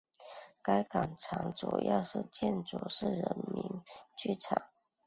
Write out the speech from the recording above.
该广场的主要建筑是人民剧院。